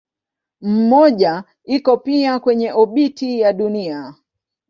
Mmoja iko pia kwenye obiti ya Dunia.